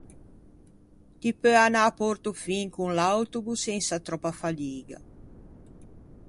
Ti peu anâ à Portofin con l'autobo sensa tròppa fadiga.